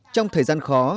trong thời gian khó